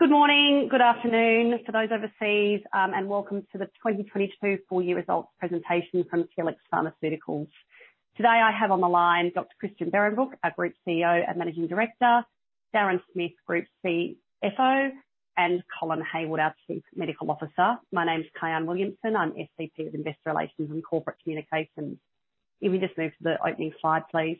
Good morning, good afternoon for those overseas, welcome to the 2022 full year results presentation from Telix Pharmaceuticals. Today, I have on the line Dr. Christian Behrenbruch, our Group CEO and Managing Director, Darren Smith, Group CFO, and Colin Hayward, our Chief Medical Officer. My name is Kyahn Williamson. I'm SVP of Investor Relations and Corporate Communications. If you just move to the opening slide, please.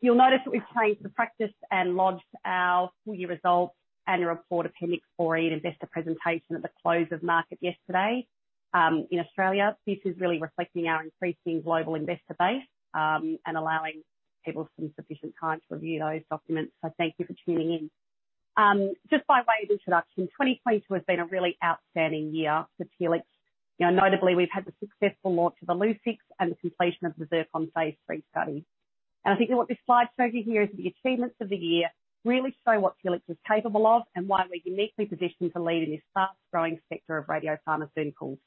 You'll notice that we've changed the practice and lodged our full year results and report appendix for investor presentation at the close of market yesterday in Australia. This is really reflecting our increasing global investor base, and allowing people some sufficient time to review those documents. Thank you for tuning in. Just by way of introduction, 2022 has been a really outstanding year for Telix. You know, notably, we've had the successful launch of Illuccix and the completion of the ZIRCON phase III study. I think what this slide shows you here is the achievements of the year really show what Telix is capable of and why we're uniquely positioned to lead in this fast growing sector of radiopharmaceuticals.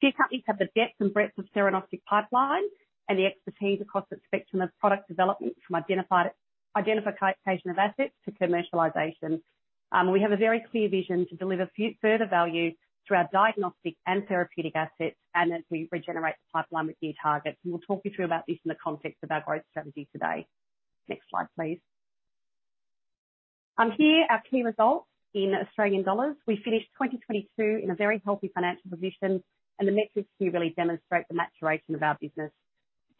Few companies have the depth and breadth of theranostic pipeline and the expertise across the spectrum of product development from identification of assets to commercialization. We have a very clear vision to deliver further value through our diagnostic and therapeutic assets and as we regenerate the pipeline with new targets. We will talk you through about this in the context of our growth strategy today. Next slide, please. Here our key results in Australian dollars. We finished 2022 in a very healthy financial position, and the metrics here really demonstrate the maturation of our business.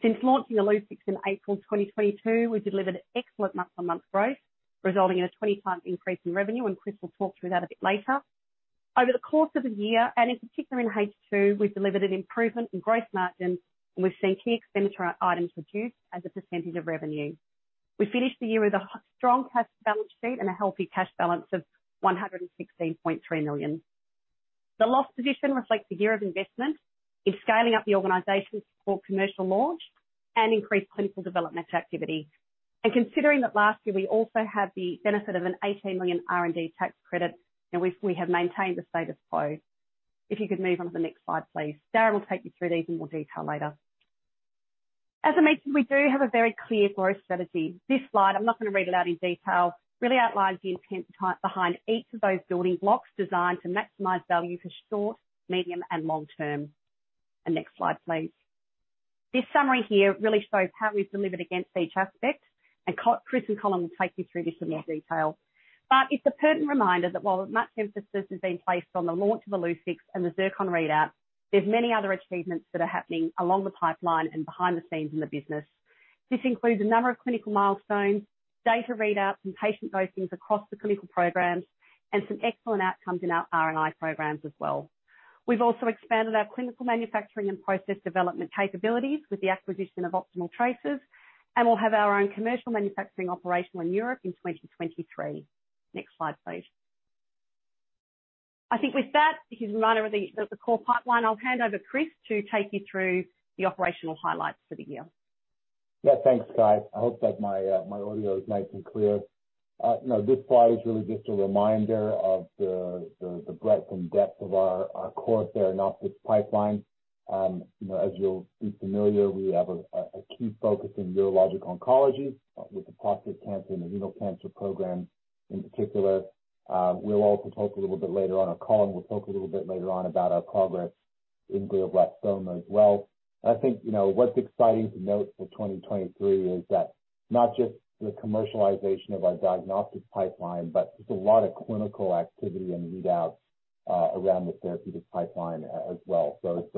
Since launching Illuccix in April 2022, we delivered excellent month-on-month growth, resulting in a 20x increase in revenue. Chris will talk through that a bit later. Over the course of the year, and in particular in H2, we've delivered an improvement in growth margins, and we've seen key expenditure items reduce as a % of revenue. We finished the year with a strong cash balance sheet and a healthy cash balance of 116.3 million. The loss position reflects the year of investment in scaling up the organization to support commercial launch and increased clinical development activity. Considering that last year we also had the benefit of an 18 million R&D tax credit, and we have maintained the status quo. If you could move on to the next slide, please. Darren will take you through these in more detail later. As I mentioned, we do have a very clear growth strategy. This slide, I'm not gonna read it out in detail, really outlines the intent behind each of those building blocks designed to maximize value for short, medium, and long-term. Next slide, please. This summary here really shows how we've delivered against each aspect, and Chris and Colin will take you through this in more detail. It's a pertinent reminder that while much emphasis has been placed on the launch of Illuccix and the ZIRCON readout, there's many other achievements that are happening along the pipeline and behind the scenes in the business. This includes a number of clinical milestones, data readouts and patient dosings across the clinical programs and some excellent outcomes in our R&I programs as well. We've also expanded our clinical manufacturing and process development capabilities with the acquisition of Optimal Tracers, and we'll have our own commercial manufacturing operation in Europe in 2023. Next slide, please. I think with that, just a reminder of the core pipeline. I'll hand over Chris to take you through the operational highlights for the year. Yeah, thanks, guys. I hope that my audio is nice and clear. You know, this slide is really just a reminder of the breadth and depth of our core theranostics pipeline. You know, as you'll be familiar, we have a key focus in urologic oncology with the prostate cancer and the renal cancer program in particular. We'll also talk a little bit later on about our progress in glioblastoma as well. I think, you know, what's exciting to note for 2023 is that not just the commercialization of our diagnostic pipeline, but just a lot of clinical activity and readouts around the therapeutic pipeline as well. It's,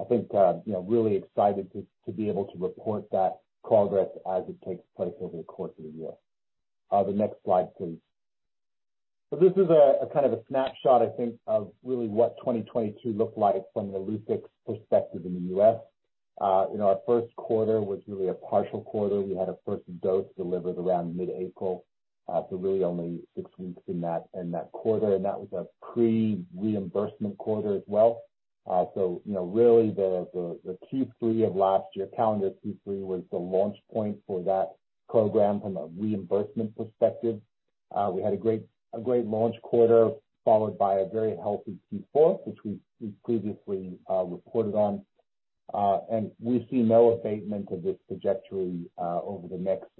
I think, you know, really excited to be able to report that progress as it takes place over the course of the year. The next slide, please. This is a kind of a snapshot, I think, of really what 2022 looked like from an Illuccix perspective in the U.S. You know, our first quarter was really a partial quarter. We had our first dose delivered around mid-April, so really only six weeks in that quarter, and that was a pre-reimbursement quarter as well. You know, really the Q3 of last year, calendar Q3 was the launch point for that program from a reimbursement perspective. We had a great launch quarter followed by a very healthy Q4, which we've previously reported on. We see no abatement of this trajectory over the next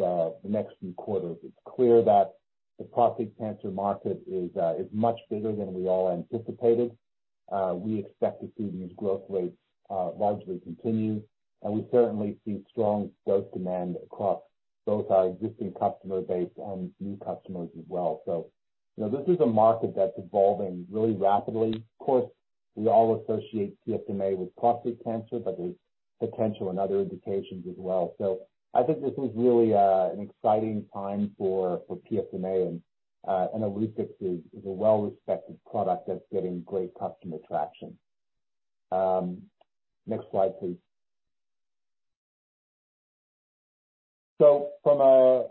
few quarters. It's clear that the prostate cancer market is much bigger than we all anticipated. We expect to see these growth rates largely continue, and we certainly see strong dose demand across both our existing customer base and new customers as well. You know, this is a market that's evolving really rapidly. Of course, we all associate PSMA with prostate cancer, but there's potential in other indications as well. I think this is really an exciting time for PSMA and Illuccix is a well-respected product that's getting great customer traction. Next slide please. From a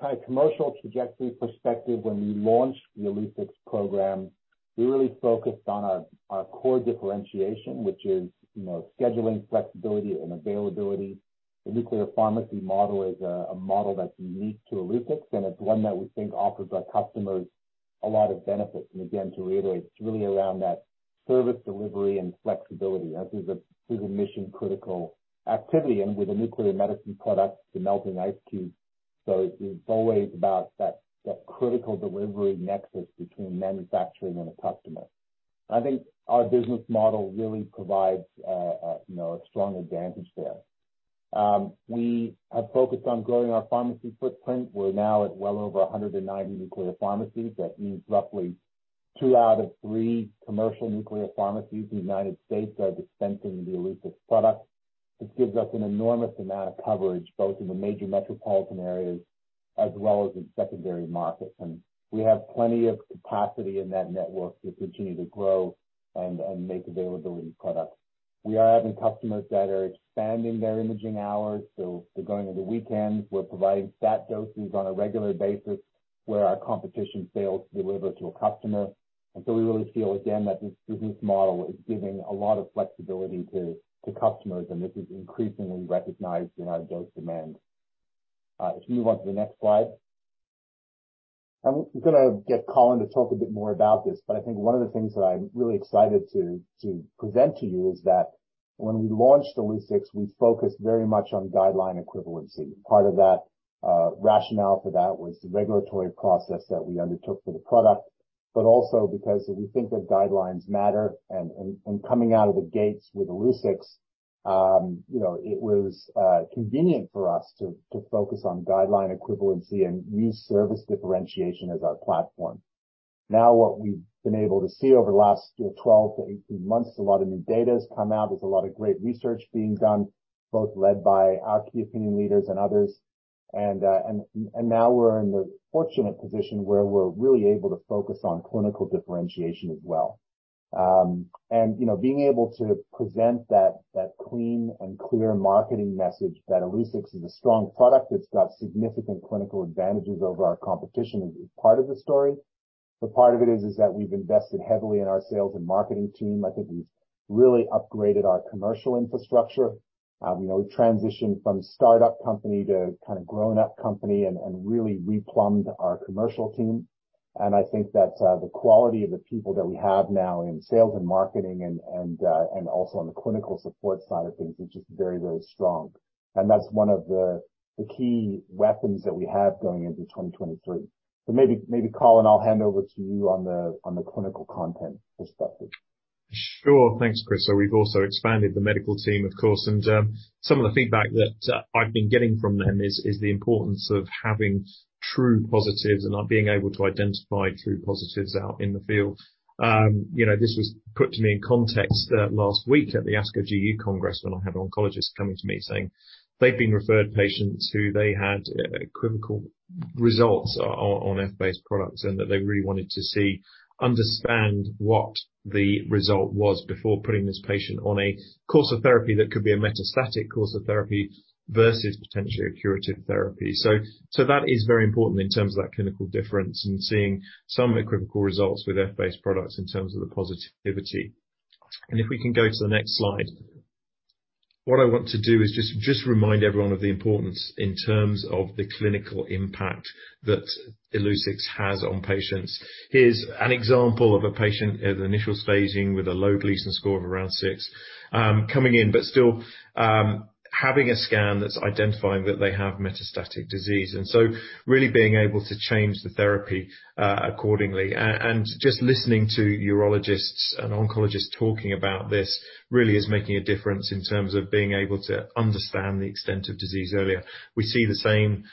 kind of commercial trajectory perspective, when we launched the Illuccix program, we really focused on our core differentiation, which is, you know, scheduling flexibility and availability. The nuclear pharmacy model is a model that's unique to Illuccix, and it's one that we think offers our customers- A lot of benefits, again, to reiterate, it's really around that service delivery and flexibility as is a mission-critical activity. With a nuclear medicine product, the melting ice cube. It's always about that critical delivery nexus between manufacturing and the customer. I think our business model really provides a, you know, a strong advantage there. We have focused on growing our pharmacy footprint. We're now at well over 190 nuclear pharmacies. That means roughly two out of three commercial nuclear pharmacies in the U.S. are dispensing the Illuccix product, which gives us an enormous amount of coverage, both in the major metropolitan areas as well as in secondary markets. We have plenty of capacity in that network to continue to grow and make availability of products. We are having customers that are expanding their imaging hours, so they're going into weekends. We're providing stat doses on a regular basis where our competition fails to deliver to a customer. We really feel again that this business model is giving a lot of flexibility to customers, and this is increasingly recognized in our dose demand. If you move on to the next slide. I'm gonna get Colin to talk a bit more about this, but I think one of the things that I'm really excited to present to you is that when we launched Illuccix, we focused very much on guideline equivalency. Part of that rationale for that was the regulatory process that we undertook for the product, but also because we think that guidelines matter. Coming out of the gates with Illuccix, you know, it was convenient for us to focus on guideline equivalency and use service differentiation as our platform. What we've been able to see over the last 12 to 18 months, a lot of new data has come out. There's a lot of great research being done, both led by our key opinion leaders and others. Now we're in the fortunate position where we're really able to focus on clinical differentiation as well. You know, being able to present that clean and clear marketing message that Illuccix is a strong product that's got significant clinical advantages over our competition is part of the story. Part of it is that we've invested heavily in our sales and marketing team. I think we've really upgraded our commercial infrastructure. You know, we transitioned from startup company to kind of grown-up company and really replumbed our commercial team. I think that the quality of the people that we have now in sales and marketing and also on the clinical support side of things is just very, very strong. That's one of the key weapons that we have going into 2023. maybe Colin, I'll hand over to you on the clinical content perspective. Sure. Thanks, Chris. We've also expanded the medical team, of course, and some of the feedback that I've been getting from them is the importance of having true positives and not being able to identify true positives out in the field. You know, this was put to me in context last week at the ASCO GU Cancers Symposium when I had oncologists coming to me saying they've been referred patients who they had equivocal results on 18F-based products and that they really wanted to see, understand what the result was before putting this patient on a course of therapy that could be a metastatic course of therapy versus potentially a curative therapy. That is very important in terms of that clinical difference and seeing some equivocal results with 18F-based products in terms of the positivity. If we can go to the next slide. What I want to do is just remind everyone of the importance in terms of the clinical impact that Illuccix has on patients. Here's an example of a patient at initial staging with a low Gleason score of around six, coming in, but still, having a scan that's identifying that they have metastatic disease, and so really being able to change the therapy accordingly. Just listening to urologists and oncologists talking about this really is making a difference in terms of being able to understand the extent of disease earlier. We see the same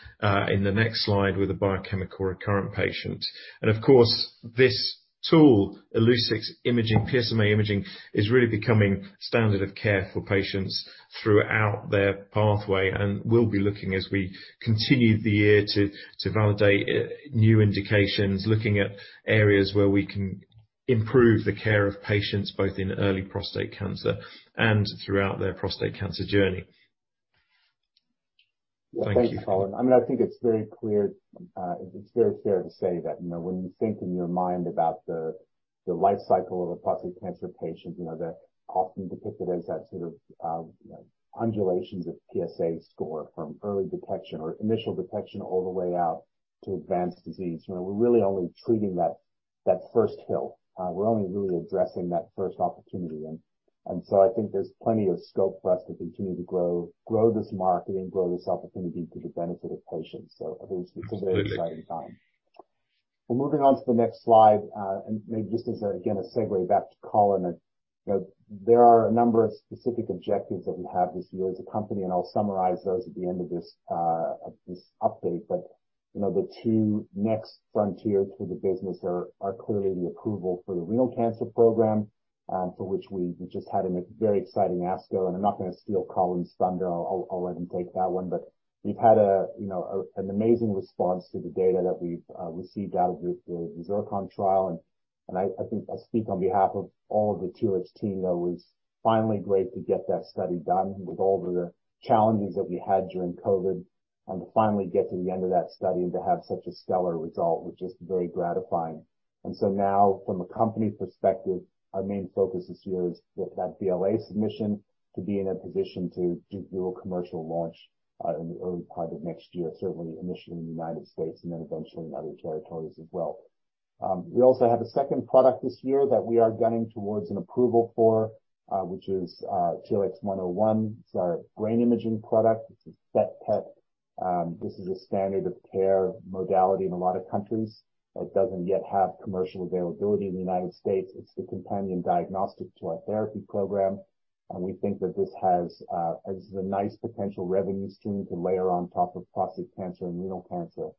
in the next slide with a biochemical recurrent patient. Of course, this tool, Illuccix imaging, PSMA imaging, is really becoming standard of care for patients throughout their pathway. We'll be looking as we continue the year to validate new indications, looking at areas where we can improve the care of patients both in early prostate cancer and throughout their prostate cancer journey. Thank you. Thanks, Colin. I mean, I think it's very clear, it's very fair to say that, you know, when you think in your mind about the life cycle of a prostate cancer patient, you know, they're often depicted as that sort of, you know, undulations of PSA score from early detection or initial detection all the way out to advanced disease. You know, we're really only treating that first hill. We're only really addressing that first opportunity. I think there's plenty of scope for us to continue to grow this market and grow this opportunity to the benefit of patients. I think it's a very exciting time. Moving on to the next slide, and maybe just as, again, a segue back to Colin. You know, there are a number of specific objectives that we have this year as a company, I'll summarize those at the end of this update. You know, the two next frontier to the business are clearly the approval for the renal cancer program, for which we just had a very exciting ASCO. I'm not gonna steal Colin's thunder. I'll let him take that one. We've had an amazing response to the data that we've received out of the ZIRCON trial. I think I speak on behalf of all of the 2H team that it was finally great to get that study done with all of the challenges that we had during COVID and to finally get to the end of that study and to have such a stellar result was just very gratifying. Now, from a company perspective, our main focus this year is with that BLA submission to be in a position to do real commercial launch in the early part of next year, certainly initially in the United States and then eventually in other territories as well. We also have a second product this year that we are gunning towards an approval for, which is TLX101. It's our brain imaging product. It's a PET-CT. This is a standard of care modality in a lot of countries. It doesn't yet have commercial availability in the United States. It's the companion diagnostic to our therapy program, and we think that this has is a nice potential revenue stream to layer on top of prostate cancer and renal cancer.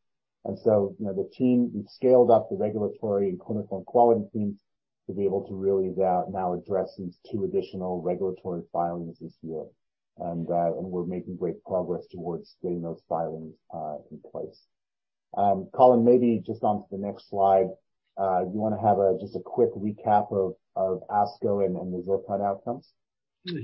You know, the team, we've scaled up the regulatory and clinical and quality teams to be able to really now address these two additional regulatory filings this year. We're making great progress towards getting those filings in place. Colin, maybe just onto the next slide, you wanna have a just a quick recap of ASCO and the results and outcomes.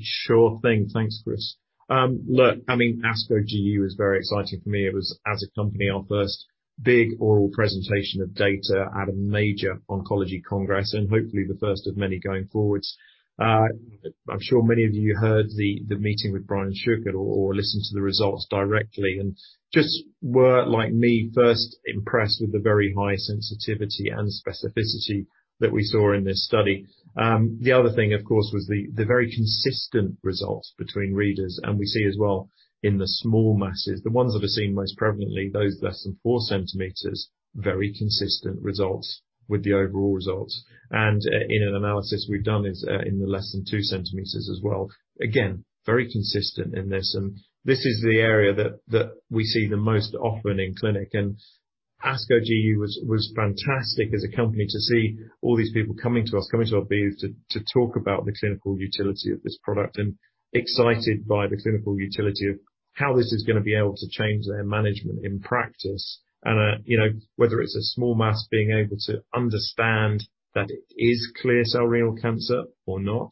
Sure thing. Thanks, Chris. I mean, ASCO GU is very exciting for me. It was, as a company, our first big oral presentation of data at a major oncology congress, and hopefully the first of many going forwards. I'm sure many of you heard the meeting with Brian Shuch or listened to the results directly and just were, like me, first impressed with the very high sensitivity and specificity that we saw in this study. The other thing, of course, was the very consistent results between readers, and we see as well in the small masses, the ones that are seen most prevalently, those less than four centimeters, very consistent results with the overall results. In an analysis we've done is, in the less than two centimeters as well. Again, very consistent in this, and this is the area that we see the most often in clinic. ASCO GU was fantastic as a company to see all these people coming to us, coming to our booth to talk about the clinical utility of this product and excited by the clinical utility of how this is gonna be able to change their management in practice. You know, whether it's a small mass being able to understand that it is clear cell renal cancer or not,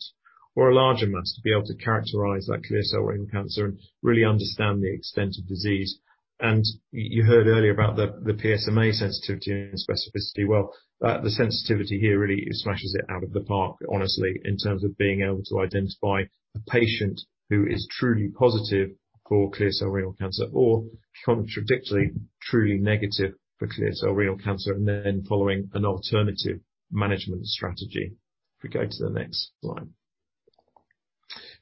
or a larger mass to be able to characterize that clear cell renal cancer and really understand the extent of disease. You heard earlier about the PSMA sensitivity and specificity. Well, the sensitivity here really smashes it out of the park, honestly, in terms of being able to identify a patient who is truly positive for clear cell renal cancer or contradictively truly negative for clear cell renal cancer, and then following an alternative management strategy. If we go to the next slide.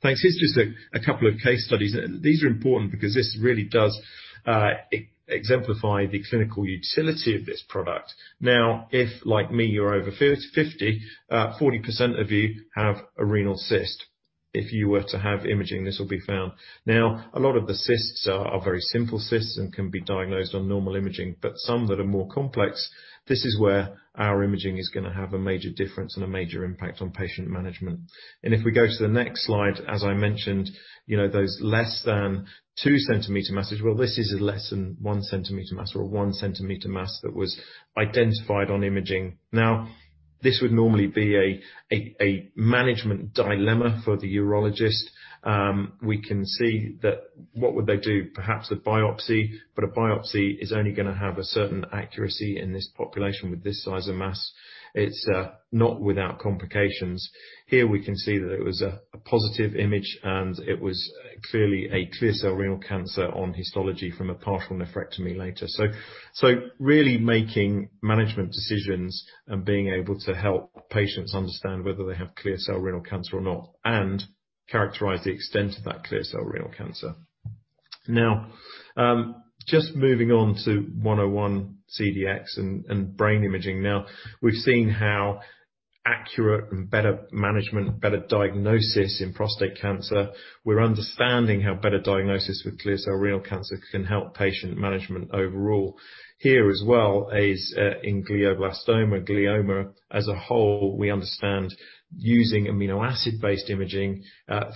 Thanks. Here's just a couple of case studies. These are important because this really does exemplify the clinical utility of this product. Now, if, like me, you're over 50%, 40% of you have a renal cyst. If you were to have imaging, this will be found. Now, a lot of the cysts are very simple cysts and can be diagnosed on normal imaging, but some that are more complex, this is where our imaging is gonna have a major difference and a major impact on patient management. If we go to the next slide, as I mentioned, you know, those less than 2 cm masses, well, this is a less than 1 cm mass or a 1 cm mass that was identified on imaging. This would normally be a management dilemma for the urologist. We can see that what would they do? Perhaps a biopsy, but a biopsy is only gonna have a certain accuracy in this population with this size of mass. It's not without complications. We can see that it was a positive image, and it was clearly a clear cell renal cancer on histology from a partial nephrectomy later. Really making management decisions and being able to help patients understand whether they have clear cell renal cancer or not, and characterize the extent of that clear cell renal cancer. Just moving on to TLX101 CDX and brain imaging. We've seen how accurate and better management, better diagnosis in prostate cancer. We're understanding how better diagnosis with clear cell renal cancer can help patient management overall. Here as well is in glioblastoma, glioma as a whole, we understand using amino acid-based imaging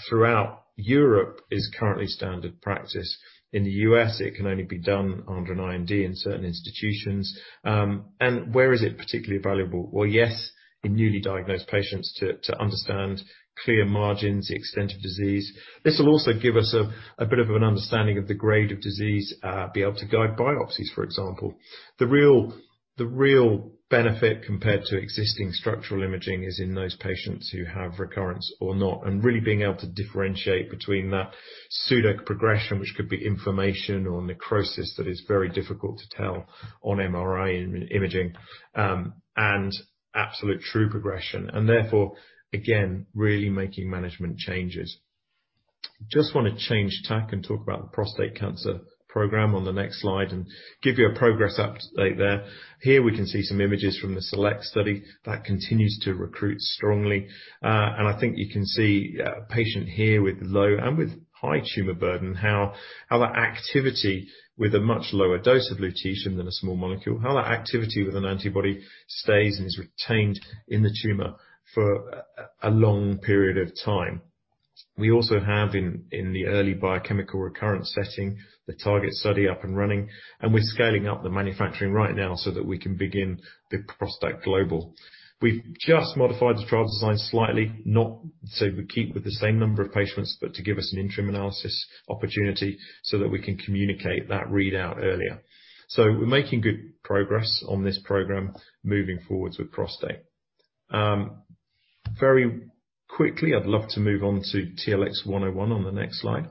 throughout Europe is currently standard practice. In the U.S., it can only be done under an IND in certain institutions. Where is it particularly valuable? Well, yes, in newly diagnosed patients to understand clear margins, the extent of disease. This will also give us a bit of an understanding of the grade of disease, be able to guide biopsies, for example. The real benefit compared to existing structural imaging is in those patients who have recurrence or not, and really being able to differentiate between that pseudo-progression, which could be inflammation or necrosis that is very difficult to tell on MRI imaging, and absolute true progression, and therefore, again, really making management changes. Just wanna change tack and talk about the prostate cancer program on the next slide and give you a progress update there. Here we can see some images from the SELECT study that continues to recruit strongly. I think you can see a patient here with low and with high tumor burden, how that activity with a much lower dose of lutetium than a small molecule, how that activity with an antibody stays and is retained in the tumor for a long period of time. We also have in the early biochemical recurrence setting, the TARGET study up and running, and we're scaling up the manufacturing right now so that we can begin the ProstACT Global. We've just modified the trial design slightly, not so we keep with the same number of patients, but to give us an interim analysis opportunity so that we can communicate that readout earlier. We're making good progress on this program moving forwards with ProstACT. Very quickly, I'd love to move on to TLX101 on the next slide.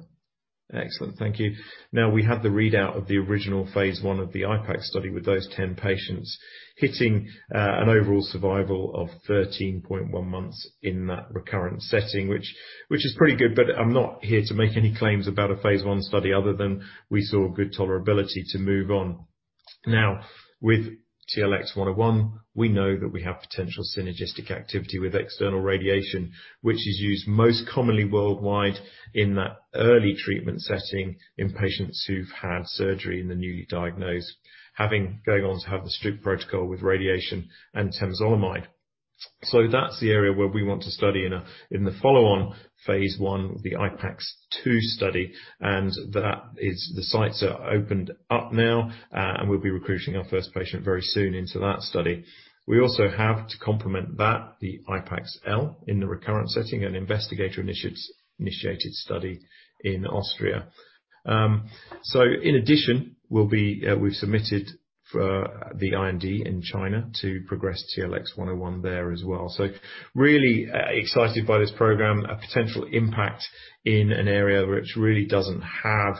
Excellent. Thank you. Now, we have the readout of the original phase I of the IPAX study with those 10 patients hitting an overall survival of 13.1 months in that recurrent setting, which is pretty good, but I'm not here to make any claims about a phase I study other than we saw good tolerability to move on. Now, with TLX101, we know that we have potential synergistic activity with external radiation, which is used most commonly worldwide in that early treatment setting in patients who've had surgery in the newly diagnosed, going on to have the standard protocol with radiation and temsirolimus. That's the area where we want to study in a, in the follow-on phase I, the IPAX-2 study, and that is the sites are opened up now, and we'll be recruiting our first patient very soon into that study. We also have to complement that, the IPAX-L in the recurrent setting, an investigator-initiated study in Austria. In addition, we've submitted for the IND in China to progress TLX101 there as well. Really excited by this program, a potential impact in an area which really doesn't have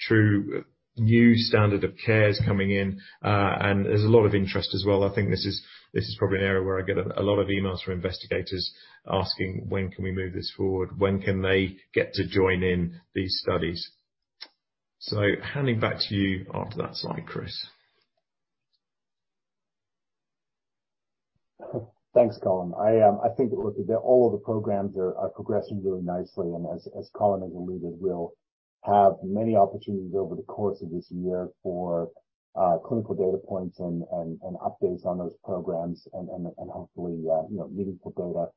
true new standard of cares coming in, and there's a lot of interest as well. I think this is probably an area where I get a lot of emails from investigators asking, "When can we move this forward? When can they get to join in these studies?" Handing back to you onto that slide, Chris. Thanks, Colin. I think it looks a bit all of the programs are progressing really nicely. As Colin has alluded, we'll have many opportunities over the course of this year for clinical data points and hopefully, you know, meaningful data.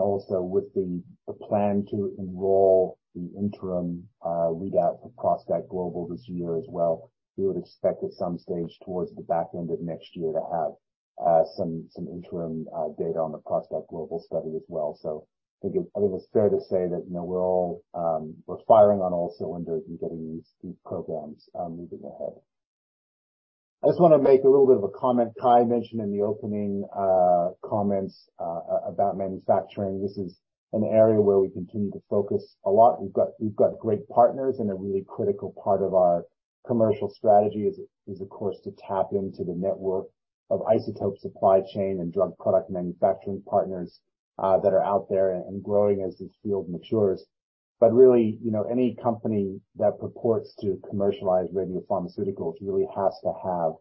Also with the plan to enroll the interim readout for ProstACT Global this year as well, we would expect at some stage towards the back end of next year to have some interim data on the ProstACT Global study as well. I think it's fair to say that, you know, we're all firing on all cylinders and getting these key programs moving ahead. I just wanna make a little bit of a comment. Kai mentioned in the opening comments about manufacturing. This is an area where we continue to focus a lot. We've got great partners, a really critical part of our commercial strategy is of course to tap into the network of isotope supply chain and drug product manufacturing partners that are out there and growing as this field matures. Really, you know, any company that purports to commercialize radiopharmaceuticals really has to have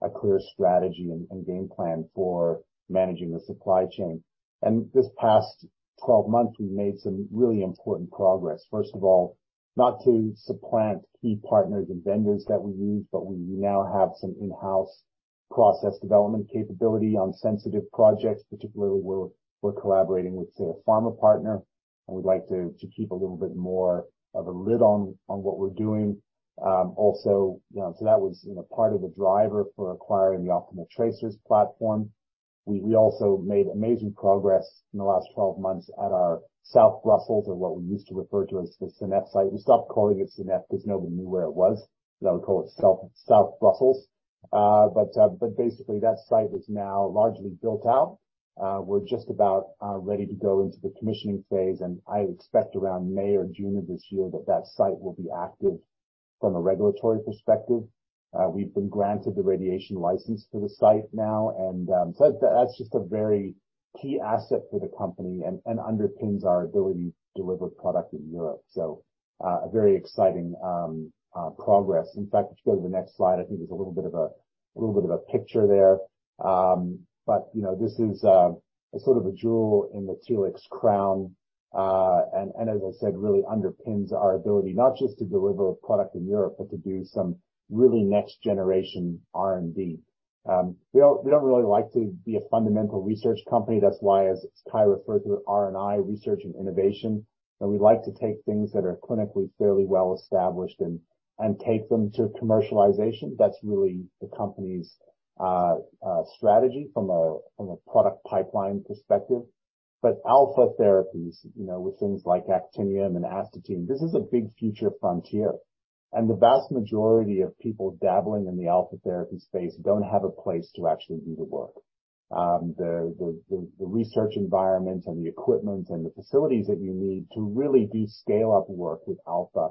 a clear strategy and game plan for managing the supply chain. This past 12 months, we've made some really important progress. First of all, not to supplant key partners and vendors that we use, but we now have some in-house process development capability on sensitive projects. Particularly, we're collaborating with, say, a pharma partner, and we'd like to keep a little bit more of a lid on what we're doing. You know, so that was, you know, part of the driver for acquiring the Optimal Tracers platform. We also made amazing progress in the last 12 months at our South Brussels or what we used to refer to as the Cinet site. We stopped calling it Cine 'cause nobody knew where it was. Now we call it South Brussels. Basically, that site is now largely built out. We're just about ready to go into the commissioning phase, and I expect around May or June of this year that that site will be active from a regulatory perspective. We've been granted the radiation license for the site now. That's just a very key asset for the company and underpins our ability to deliver product in Europe. A very exciting progress. In fact, if you go to the next slide, I think there's a little bit of a, little bit of a picture there. You know, this is a sort of a jewel in the Telix crown. As I said, really underpins our ability, not just to deliver product in Europe, but to do some really next generation R&D. We don't really like to be a fundamental research company. That's why, as Kyahn referred to it, R&I, research and innovation, that we like to take things that are clinically fairly well established and take them to commercialization. That's really the company's strategy from a product pipeline perspective. Alpha therapies, you know, with things like actinium and astatine, this is a big future frontier. The vast majority of people dabbling in the alpha therapy space don't have a place to actually do the work. The research environment and the equipment and the facilities that you need to really do scale-up work with alpha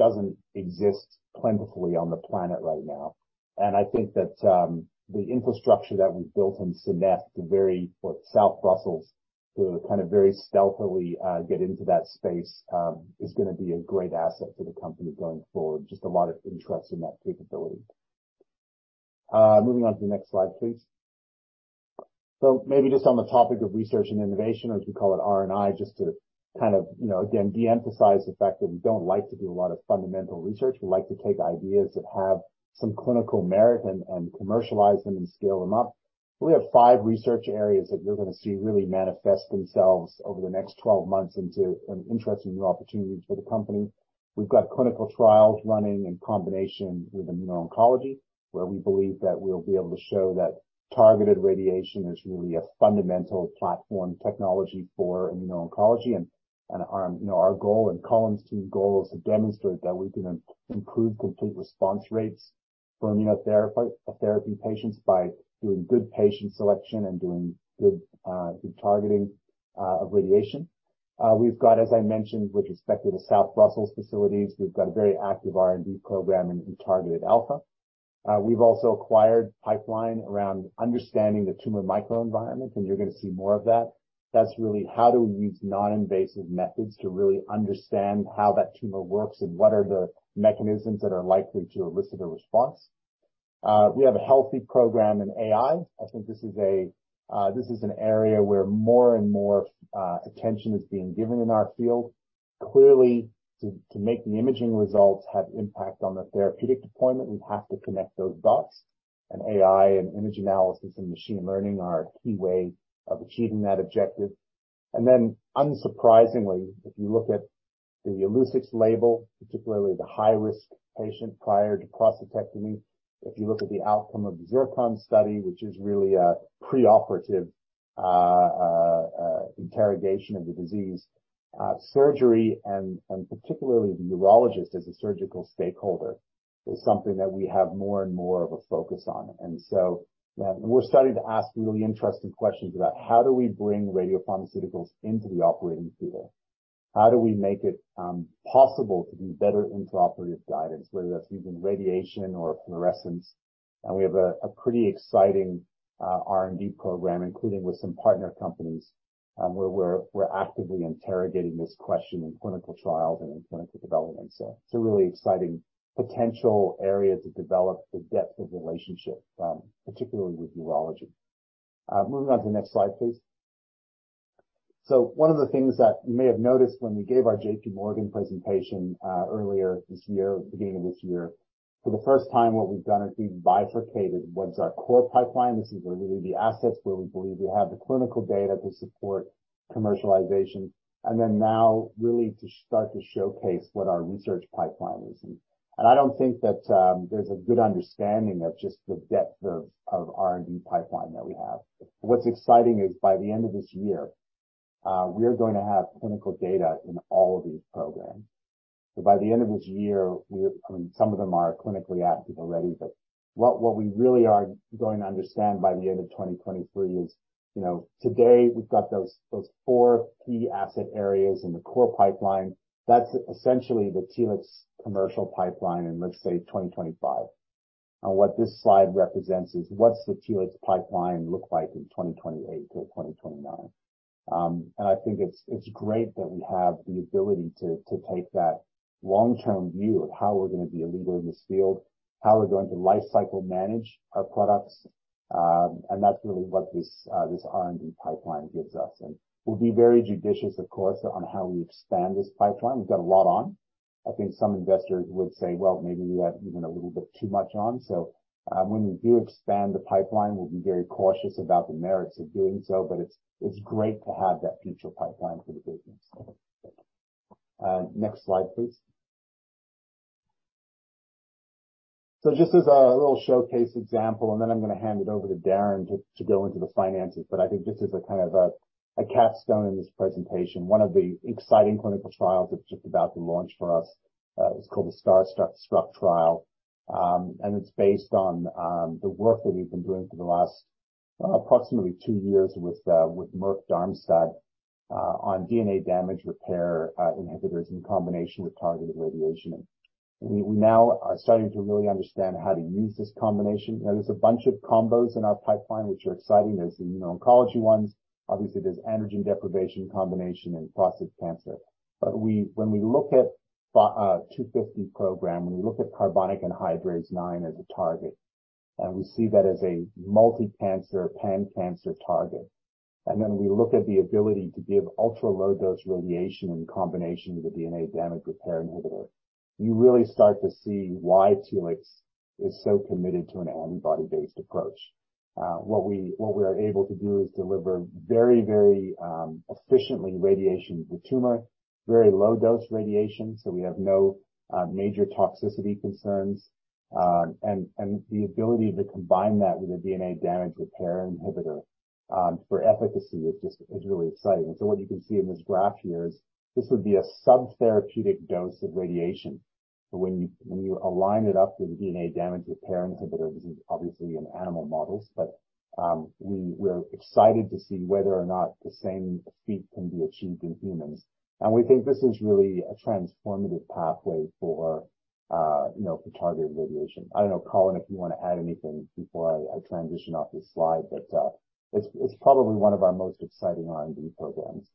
doesn't exist plentifully on the planet right now. I think that the infrastructure that we've built in Cinet to South Brussels, to kind of very stealthily, get into that space, is gonna be a great asset to the company going forward. Just a lot of interest in that capability. Moving on to the next slide, please. Maybe just on the topic of research and innovation, or as we call it, R&I, just to kind of, you know, again, de-emphasize the fact that we don't like to do a lot of fundamental research. We like to take ideas that have some clinical merit and commercialize them and scale them up. We have five research areas that you're gonna see really manifest themselves over the next 12 months into some interesting new opportunities for the company. We've got clinical trials running in combination with immuno-oncology, where we believe that we'll be able to show that targeted radiation is really a fundamental platform technology for immuno-oncology. You know, our goal and Colin's team goal is to demonstrate that we can improve complete response rates for immunotherapy patients by doing good patient selection and doing good targeting of radiation. We've got, as I mentioned, with respect to the South Brussels facilities, we've got a very active R&D program in targeted alpha. We've also acquired pipeline around understanding the tumor microenvironment, and you're gonna see more of that. That's really how do we use non-invasive methods to really understand how that tumor works and what are the mechanisms that are likely to elicit a response. We have a healthy program in AI. I think this is an area where more and more attention is being given in our field. Clearly, to make the imaging results have impact on the therapeutic deployment, we have to connect those dots. AI and image analysis and machine learning are a key way of achieving that objective. Then unsurprisingly, if you look at the Illuccix label, particularly the high-risk patient prior to prostatectomy, if you look at the outcome of the ZIRCON study, which is really a preoperative interrogation of the disease, surgery and particularly the urologist as a surgical stakeholder, is something that we have more and more of a focus on. So we're starting to ask really interesting questions about how do we bring radiopharmaceuticals into the operating theater? How do we make it possible to be better intraoperative guidance, whether that's using radiation or fluorescence. We have a pretty exciting R&D program, including with some partner companies, where we're actively interrogating this question in clinical trials and in clinical development. It's a really exciting potential area to develop the depth of relationship, particularly with neurology. Moving on to the next slide, please. One of the things that you may have noticed when we gave our JPMorgan presentation earlier this year, beginning of this year. For the first time, what we've done is we've bifurcated what is our core pipeline. This is really the assets where we believe we have the clinical data to support commercialization, and then now really to start to showcase what our research pipeline is. I don't think that there's a good understanding of just the depth of R&D pipeline that we have. What's exciting is by the end of this year, we are going to have clinical data in all of these programs. By the end of this year, I mean, some of them are clinically active already, but what we really are going to understand by the end of 2023 is, you know, today we've got those four key asset areas in the core pipeline. That's essentially the Telix commercial pipeline in, let's say, 2025. What this slide represents is what's the Telix pipeline look like in 2028-2029. I think it's great that we have the ability to take that long-term view of how we're gonna be a leader in this field, how we're going to life cycle manage our products. That's really what this R&D pipeline gives us. We'll be very judicious, of course, on how we expand this pipeline. We've got a lot on. I think some investors would say, "Well, maybe we have even a little bit too much on." When we do expand the pipeline, we'll be very cautious about the merits of doing so, but it's great to have that future pipeline for the business. Next slide, please. Just as a little showcase example, and then I'm gonna hand it over to Darren to go into the finances, but I think this is a kind of a capstone in this presentation. One of the exciting clinical trials that's just about to launch for us, is called the STARSTRUCK trial. It's based on the work that we've been doing for the last approximately two years with Merck Darmstadt on DNA damage repair inhibitors in combination with targeted radiation. We now are starting to really understand how to use this combination. There's a bunch of combos in our pipeline which are exciting. There's the immuno-oncology ones. Obviously, there's androgen deprivation combination in prostate cancer. We when we look at 250 program, when we look at carbonic anhydrase IX as a target, we see that as a multi-cancer, pan-cancer target, we look at the ability to give ultra-low dose radiation in combination with a DNA damage repair inhibitor, you really start to see why Telix is so committed to an antibody-based approach. What we are able to do is deliver very, very efficiently radiation to the tumor, very low dose radiation, so we have no major toxicity concerns. The ability to combine that with a DNA damage repair inhibitor for efficacy is just really exciting. What you can see in this graph here is this would be a subtherapeutic dose of radiation. When you, when you align it up with a DNA damage repair inhibitor, this is obviously in animal models, but we're excited to see whether or not the same feat can be achieved in humans. We think this is really a transformative pathway for, you know, for targeted radiation. I don't know, Colin, if you wanna add anything before I transition off this slide, but it's probably one of our most exciting R&D programs.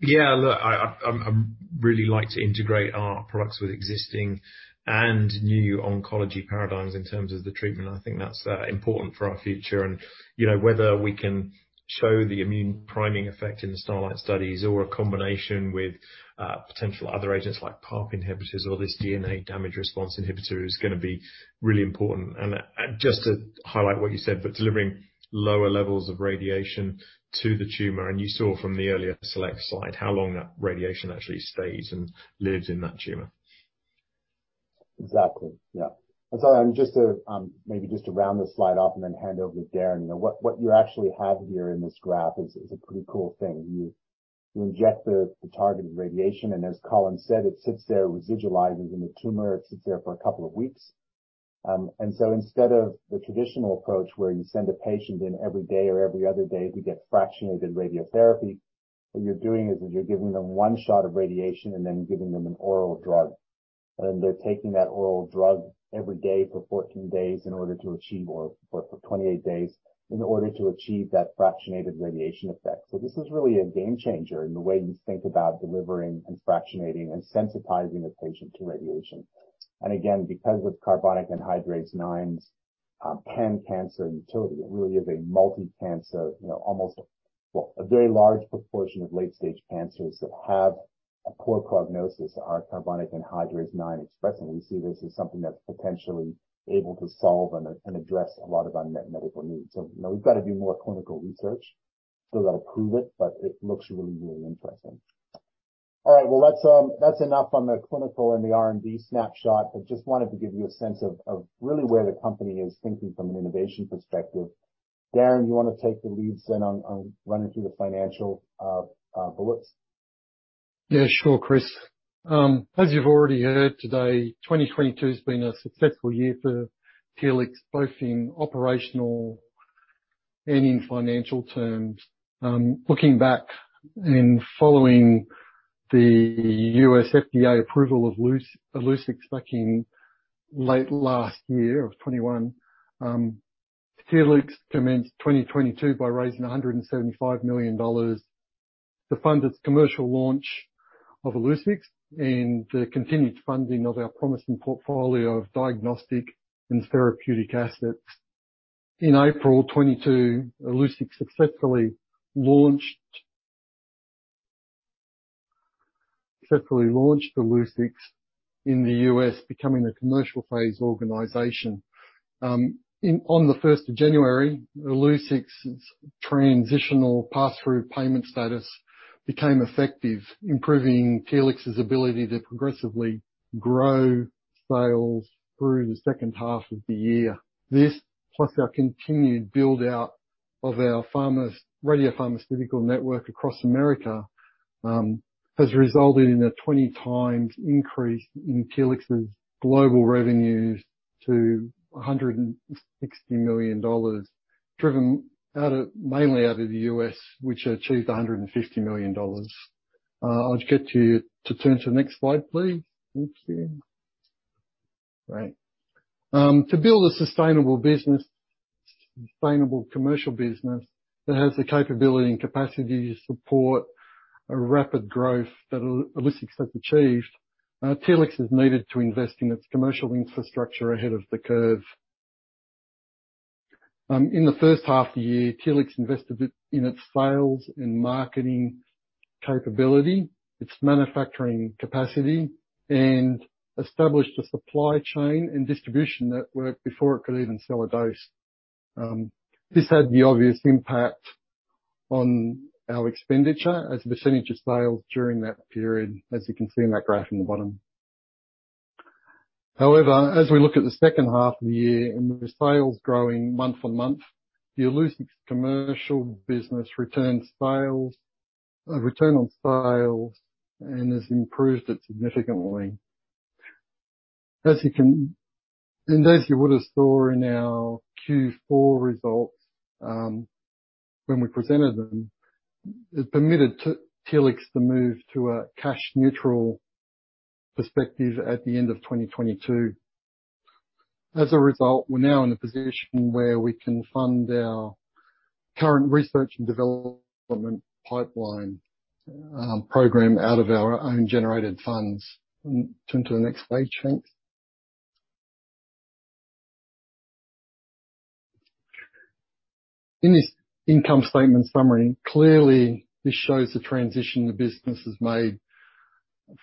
Yeah. Look, I really like to integrate our products with existing and new oncology paradigms in terms of the treatment. I think that's important for our future. You know, whether we can show the immune priming effect in the STARLITE studies or a combination with potential other agents like PARP inhibitors or this DNA damage response inhibitor is gonna be really important. Just to highlight what you said, but delivering lower levels of radiation to the tumor, and you saw from the earlier SELECT slide how long that radiation actually stays and lives in that tumor. Exactly. Yeah. Sorry, and just to, maybe just to round this slide off and then hand over to Darren. You know what you actually have here in this graph is a pretty cool thing. You inject the targeted radiation, and as Colin said, it sits there, residualizes in the tumor. It sits there for a couple of weeks. Instead of the traditional approach where you send a patient in every day or every other day to get fractionated radiotherapy, what you're doing is that you're giving them 1 shot of radiation and then giving them an oral drug. They're taking that oral drug every day for 14 days in order to achieve or for 28 days in order to achieve that fractionated radiation effect. This is really a game changer in the way you think about delivering and fractionating and sensitizing the patient to radiation. Again, because of carbonic anhydrase IX's pan-cancer utility, it really is a multi-cancer, you know, a very large proportion of late stage cancers that have a poor prognosis are carbonic anhydrase IX expressing. We see this as something that's potentially able to solve and address a lot of unmet medical needs. You know, we've got to do more clinical research so that'll prove it, but it looks really, really interesting. All right. That's enough on the clinical and the R&D snapshot. I just wanted to give you a sense of really where the company is thinking from an innovation perspective. Darren, you wanna take the lead then on running through the financial bullets? Yeah, sure, Chris. As you've already heard today, 2022 has been a successful year for Telix, both in operational and in financial terms. Looking back following the U.S. FDA approval of Illuccix back in late last year of 2021, Telix commenced 2022 by raising $175 million to fund its commercial launch of Illuccix and the continued funding of our promising portfolio of diagnostic and therapeutic assets. In April 2022, Illuccix successfully launched in the U.S., becoming a commercial phase organization. On the 1st of January, Illuccix's transitional passthrough payment status became effective, improving Telix's ability to progressively grow sales through the second half of the year. This, plus our continued build-out of our radiopharmaceutical network across America, has resulted in a 20x increase in Telix's global revenues to 160 million dollars, mainly out of the US, which achieved $150 million. I'll just get to you to turn to the next slide, please. Thanks, Dan. Great. To build a sustainable business, sustainable commercial business that has the capability and capacity to support a rapid growth that Illuccix has achieved, Telix has needed to invest in its commercial infrastructure ahead of the curve. In the first half of the year, Telix invested it in its sales and marketing capability, its manufacturing capacity, and established a supply chain and distribution network before it could even sell a dose. This had the obvious impact on our expenditure as a percentage of sales during that period, as you can see in that graph in the bottom. As we look at the second half of the year and with sales growing month-on-month, the Illuccix commercial business returns a return on sales and has improved it significantly. As you would have saw in our Q4 results, when we presented them, it permitted Telix to move to a cash neutral perspective at the end of 2022. As a result, we are now in a position where we can fund our current research and development pipeline program out of our own generated funds. Turn to the next page. Thanks. In this income statement summary, clearly this shows the transition the business has made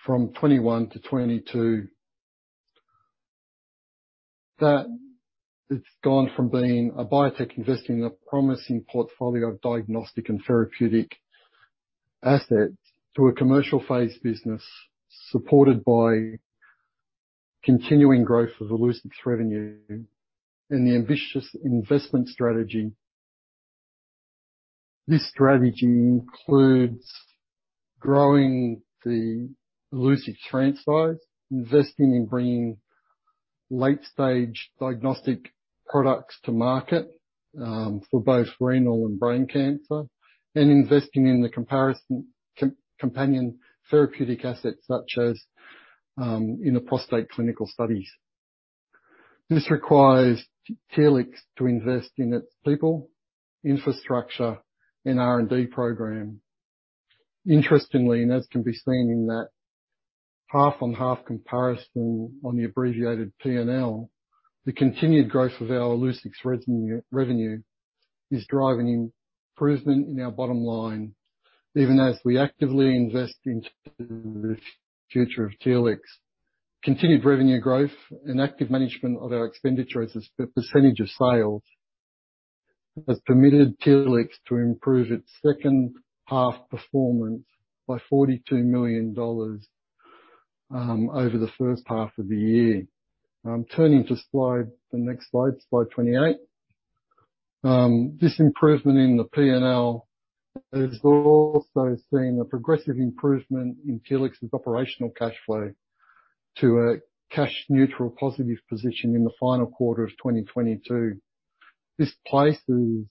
from 2021 to 2022. It's gone from being a biotech investing in a promising portfolio of diagnostic and therapeutic assets to a commercial phase business supported by continuing growth of Illuccix revenue and the ambitious investment strategy. This strategy includes growing the Illuccix franchise, investing in bringing late-stage diagnostic products to market for both renal and brain cancer, and investing in the companion therapeutic assets such as in the prostate clinical studies. This requires Telix to invest in its people, infrastructure and R&D program. Interestingly, as can be seen in that half on half comparison on the abbreviated P&L, the continued growth of our Illuccix revenue is driving improvement in our bottom line, even as we actively invest into the future of Telix. Continued revenue growth and active management of our expenditures as a percentage of sales has permitted Telix to improve its second half performance by 42 million dollars over the first half of the year. I'm turning to the next slide 28. This improvement in the PNL has also seen a progressive improvement in Telix's operational cash flow to a cash neutral positive position in the final quarter of 2022. This places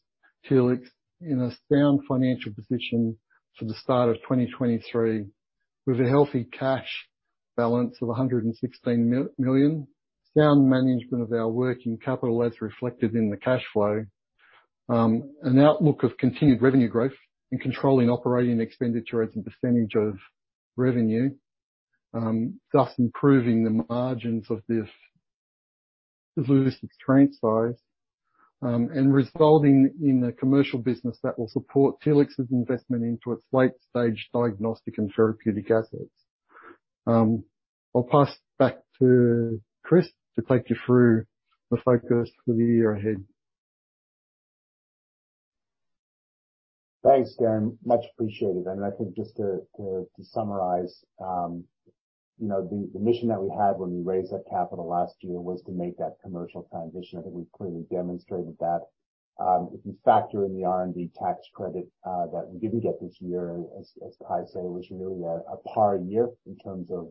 Telix in a sound financial position for the start of 2023, with a healthy cash balance of 116 million, sound management of our working capital as reflected in the cash flow, an outlook of continued revenue growth and controlling operating expenditure as a percentage of revenue, thus improving the margins of this. Resulting in a commercial business that will support Telix's investment into its late-stage diagnostic and therapeutic assets. I'll pass back to Chris to take you through the focus for the year ahead. Thanks, Darren. Much appreciated. I think just to summarize, you know, the mission that we had when we raised that capital last year was to make that commercial transition. I think we've clearly demonstrated that. If you factor in the R&D tax credit that we didn't get this year, as Kyahn said, it was really a par year in terms of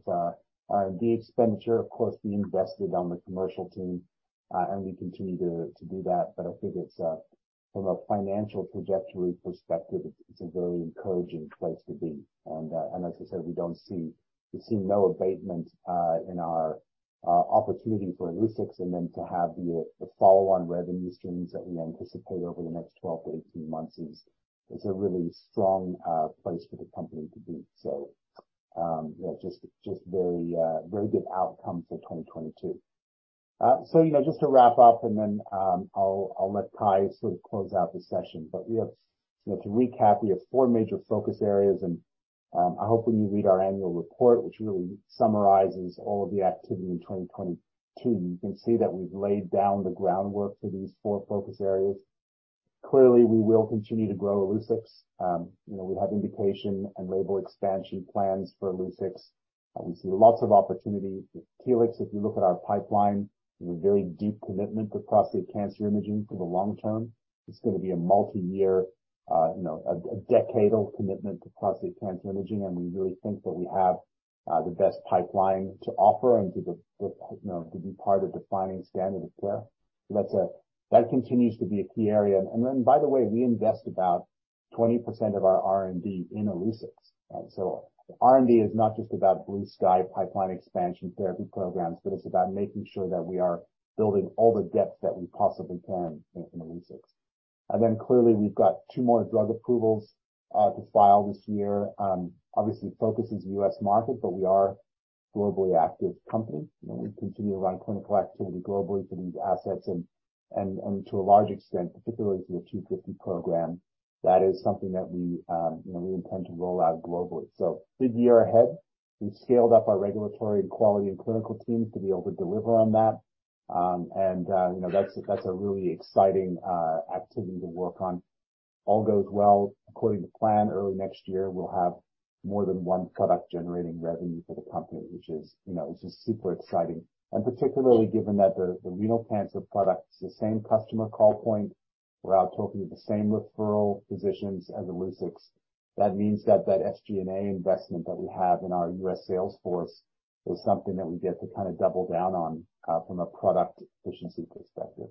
R&D expenditure. Of course, we invested on the commercial team, and we continue to do that. I think it's from a financial trajectory perspective, it's a very encouraging place to be. As I said, we see no abatement in our opportunity for Illuccix and then to have the follow-on revenue streams that we anticipate over the next 12 to 18 months is a really strong place for the company to be. Yeah, just very good outcome for 2022. You know, just to wrap up and then I'll let Kyahn sort of close out the session. We have, you know, to recap, we have four major focus areas and I hope when you read our annual report, which really summarizes all of the activity in 2022, you can see that we've laid down the groundwork for these four focus areas. Clearly, we will continue to grow Illuccix. You know, we have indication and label expansion plans for Illuccix. We see lots of opportunity with Telix. If you look at our pipeline, we have a very deep commitment to prostate cancer imaging for the long term. It's gonna be a multi-year, you know, a decadal commitment to prostate cancer imaging. We really think that we have the best pipeline to offer and to the, you know, to be part of defining standard of care. That's that continues to be a key area. Then by the way, we invest about 20% of our R&D in Illuccix, right? R&D is not just about blue sky pipeline expansion therapy programs, but it's about making sure that we are building all the depth that we possibly can within Illuccix. Clearly, we've got two more drug approvals to file this year. Obviously the focus is U.S. market, but we are a globally active company. You know, we continue to run clinical activity globally for these assets and to a large extent, particularly for the 250 program, that is something that we, you know, we intend to roll out globally. Big year ahead. We've scaled up our regulatory quality and clinical teams to be able to deliver on that. And, you know, that's a really exciting activity to work on. All goes well. According to plan, early next year, we'll have more than one product generating revenue for the company, which is, you know, which is super exciting. Particularly given that the renal cancer product is the same customer call point. We're out talking to the same referral physicians as Illuccix. That means that that SG&A investment that we have in our US sales force is something that we get to kinda double down on, from a product efficiency perspective.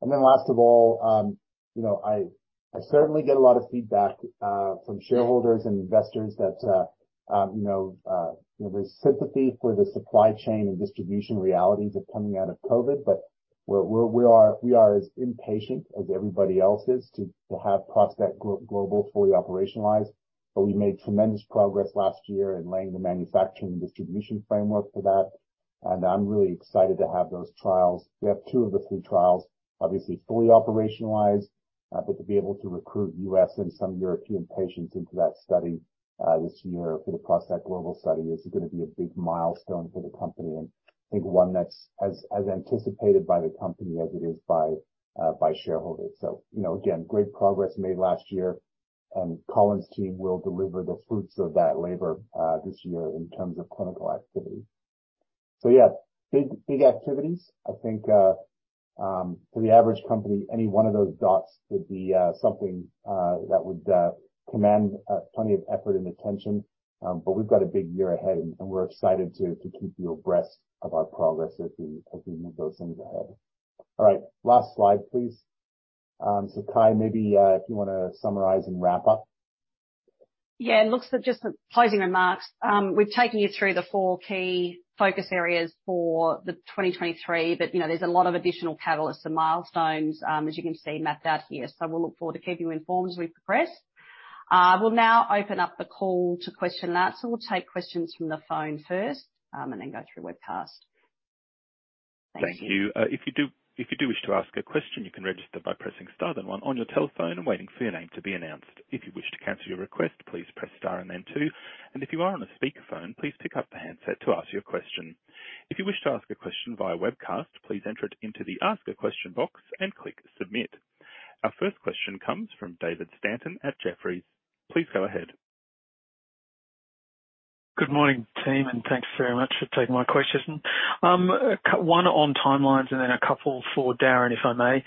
Last of all, you know, I certainly get a lot of feedback from shareholders and investors that, you know, you know, there's sympathy for the supply chain and distribution realities of coming out of COVID. We are as impatient as everybody else is to have ProstACT Global fully operationalized. We made tremendous progress last year in laying the manufacturing and distribution framework for that, and I'm really excited to have those trials. We have two of the three trials, obviously fully operationalized. To be able to recruit U.S. and some European patients into that study, this year for the ProstACT Global Study is gonna be a big milestone for the company. I think one that's as anticipated by the company as it is by shareholders. You know, again, great progress made last year, and Colin's team will deliver the fruits of that labor, this year in terms of clinical activity. Yeah, big, big activities. I think for the average company, any one of those dots would be something that would command plenty of effort and attention. We've got a big year ahead and we're excited to keep you abreast of our progress as we move those things ahead. All right, last slide, please. Kyahn, maybe, if you wanna summarize and wrap up. Looks at just the closing remarks. We've taken you through the four key focus areas for the 2023, but you know, there's a lot of additional catalysts and milestones, as you can see mapped out here. We'll look forward to keep you informed as we progress. We'll now open up the call to question and answer. We'll take questions from the phone first, and then go through webcast. Thank you. Thank you. If you do wish to ask a question, you can register by pressing star then one on your telephone and waiting for your name to be announced. If you wish to cancel your request, please press star and then two. If you are on a speakerphone, please pick up the handset to ask your question. If you wish to ask a question via webcast, please enter it into the Ask a Question box and click Submit. Our first question comes from David Stanton at Jefferies. Please go ahead. Good morning, team, thanks very much for taking my questions. One on timelines and then a couple for Darren, if I may.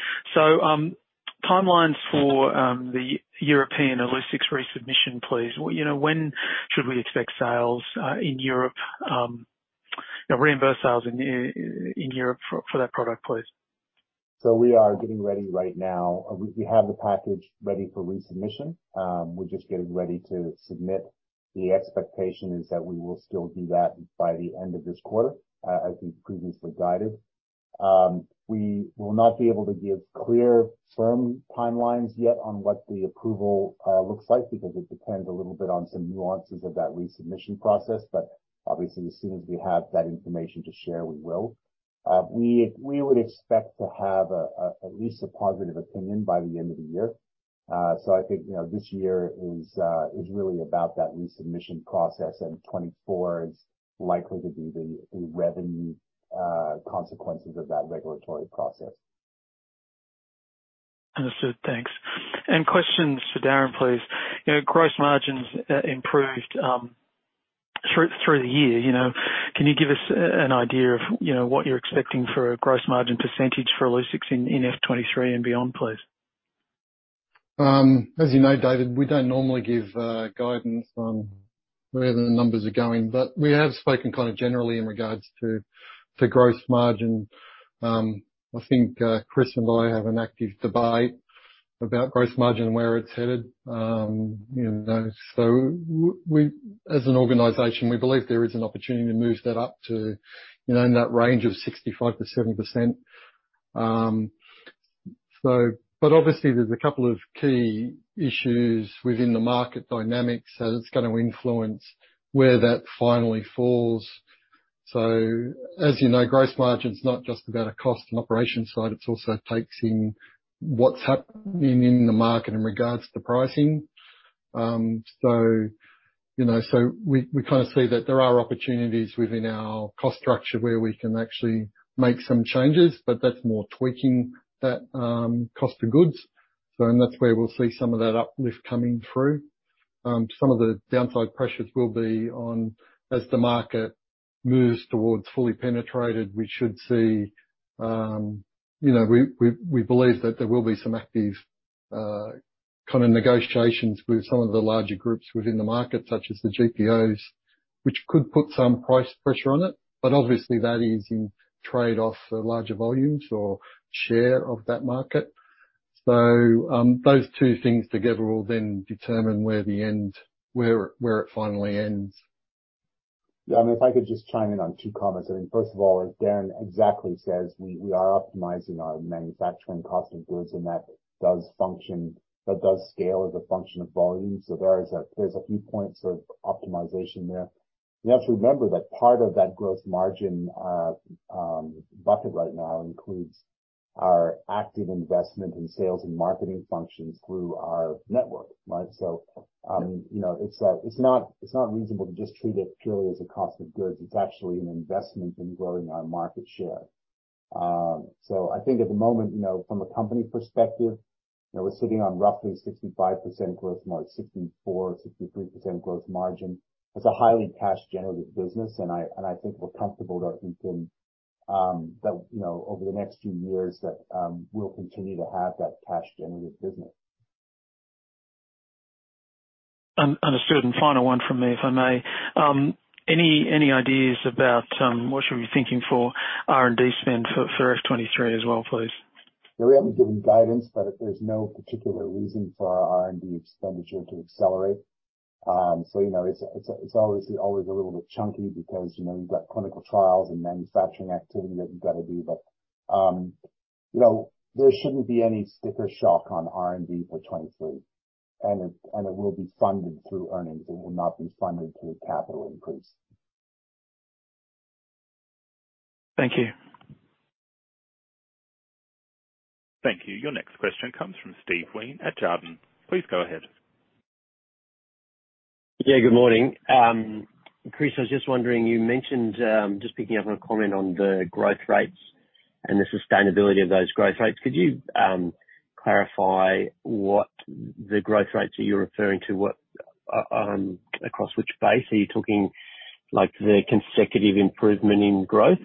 Timelines for the European Illuccix resubmission, please. You know, when should we expect sales in Europe, you know, reimburse sales in Europe for that product, please? We are getting ready right now. We have the package ready for resubmission. We're just getting ready to submit. The expectation is that we will still do that by the end of this quarter, as we've previously guided. We will not be able to give clear, firm timelines yet on what the approval looks like because it depends a little bit on some nuances of that resubmission process. Obviously, as soon as we have that information to share, we will. We would expect to have at least a positive opinion by the end of the year. I think, you know, this year is really about that resubmission process, and 2024 is likely to be the revenue consequences of that regulatory process. Understood. Thanks. Questions for Darren, please. You know, gross margins improved through the year. You know, can you give us an idea of, you know, what you're expecting for a gross margin percentage for Illuccix in F 23 and beyond, please? As you know, David, we don't normally give guidance on where the numbers are going, but we have spoken kind of generally in regards to gross margin. I think Chris and I have an active debate about gross margin and where it's headed, you know. As an organization, we believe there is an opportunity to move that up to, you know, in that range of 65% to 70%. But obviously there's a couple of key issues within the market dynamics as it's gonna influence where that finally falls. As you know, gross margin is not just about a cost and operation side, it also takes in what's happening in the market in regards to pricing. You know, so we kind of see that there are opportunities within our cost structure where we can actually make some changes, but that's more tweaking that cost of goods. And that's where we'll see some of that uplift coming through. Some of the downside pressures will be on as the market moves towards fully penetrated, we should see, you know, we, we believe that there will be some active kind of negotiations with some of the larger groups within the market, such as the GPOs, which could put some price pressure on it. But obviously that is in trade-off for larger volumes or share of that market. Those two things together will then determine where the end, where it finally ends. Yeah. I mean, if I could just chime in on two comments. I mean, first of all, as Darren exactly says, we are optimizing our manufacturing cost of goods, and that does function, that does scale as a function of volume. There's a few points of optimization there. You have to remember that part of that gross margin bucket right now includes our active investment in sales and marketing functions through our network, right? You know, it's not, it's not reasonable to just treat it purely as a cost of goods. It's actually an investment in growing our market share. I think at the moment, you know, from a company perspective, you know, we're sitting on roughly 65%, 64%, 63% gross margin. It's a highly cash generative business, and I think we're comfortable that we can, you know, over the next few years that, we'll continue to have that cash generative business. Final one from me, if I may. Any ideas about what should we be thinking for R&D spend for F 23 as well, please? Yeah, we haven't given guidance. There's no particular reason for our R&D expenditure to accelerate. You know, it's, it's obviously always a little bit chunky because, you know, you've got clinical trials and manufacturing activity that you gotta do. You know, there shouldn't be any sticker shock on R&D for 2023. It, and it will be funded through earnings, it will not be funded through a capital increase. Thank you. Thank you. Your next question comes from Steve Wheen at Jarden. Please go ahead. Yeah, good morning. Chris, I was just wondering, you mentioned, just picking up on a comment on the growth rates and the sustainability of those growth rates. Could you clarify what the growth rates are you're referring to? What, across which base? Are you talking like the consecutive improvement in growth?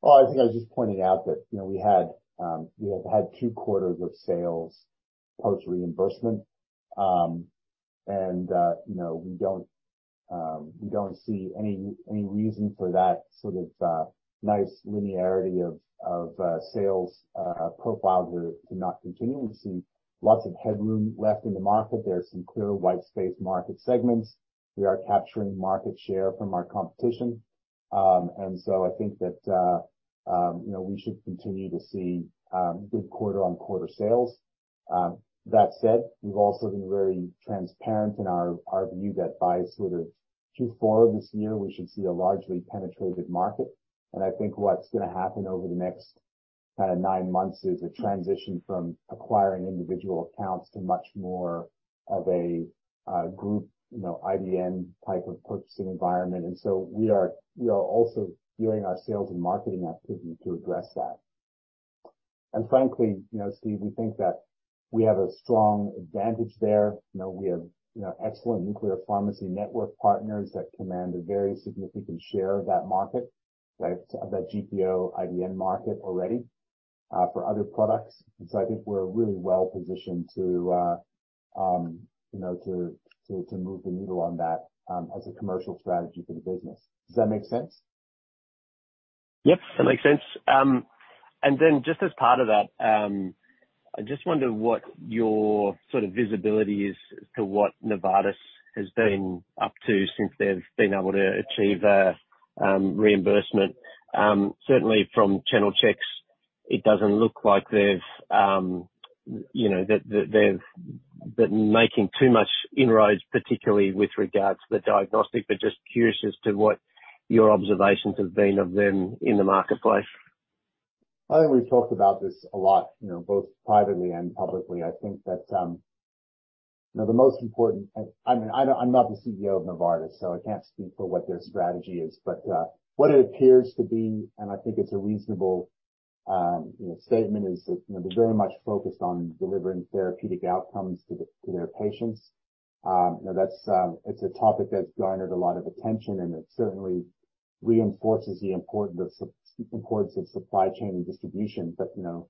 Well, I think I was just pointing out that, you know, we had, we have had 2 quarters of sales post reimbursement, and, you know, we don't, we don't see any reason for that sort of nice linearity of sales profile to not continue. We see lots of headroom left in the market. There are some clear white space market segments. We are capturing market share from our competition. I think that, you know, we should continue to see good quarter-on-quarter sales. That said, we've also been very transparent in our view that by sort of Q4 of this year, we should see a largely penetrated market. I think what's gonna happen over the next kind of nine months is a transition from acquiring individual accounts to much more of a group, you know, IDN type of purchasing environment. We are, we are also gearing our sales and marketing activity to address that. Frankly, you know, Steve, we think that we have a strong advantage there. You know, we have, you know, excellent nuclear pharmacy network partners that command a very significant share of that market, right? Of that GPO, IDN market already, for other products. I think we're really well-positioned to, you know, to move the needle on that as a commercial strategy for the business. Does that make sense? Yep, that makes sense. Then just as part of that, I just wonder what your sort of visibility is as to what Novartis has been up to since they've been able to achieve reimbursement. Certainly from channel checks, it doesn't look like they've, you know, that they've been making too much inroads, particularly with regards to the diagnostic, but just curious as to what your observations have been of them in the marketplace. I think we've talked about this a lot, you know, both privately and publicly. I think that, you know, the most important. I mean, I'm not the CEO of Novartis, so I can't speak for what their strategy is. What it appears to be, and I think it's a reasonable, you know, statement, is that, you know, they're very much focused on delivering therapeutic outcomes to their patients. You know, that's. It's a topic that's garnered a lot of attention, and it certainly reinforces the importance of supply chain and distribution. You know,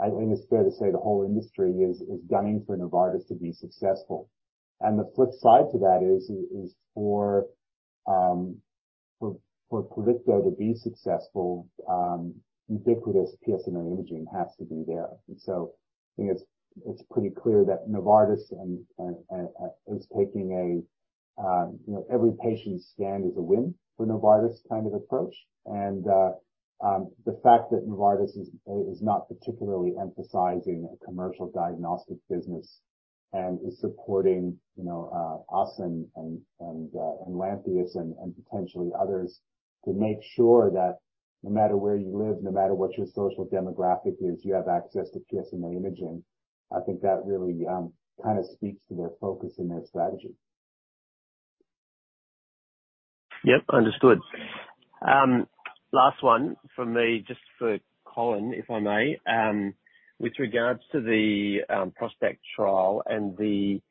I think it's fair to say the whole industry is gunning for Novartis to be successful. The flip side to that is for ProstACT to be successful, ubiquitous PSMA imaging has to be there. I think it's pretty clear that Novartis and is taking a, you know, every patient scanned is a win for Novartis kind of approach. The fact that Novartis is not particularly emphasizing a commercial diagnostic business and is supporting, you know, us and Lantheus and potentially others to make sure that no matter where you live, no matter what your social demographic is, you have access to PSMA imaging. I think that really kind of speaks to their focus and their strategy. Yep, understood. Last one from me, just for Colin, if I may. With regards to the ProstACT trial and the